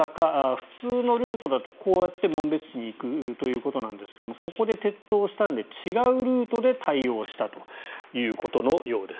普通のルートだとこうやって紋別市に行くということなんですがここで鉄塔が倒壊したんで違うルートで対応したということのようです。